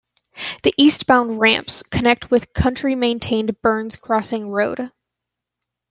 The eastbound ramps connect with county-maintained Burns Crossing Road.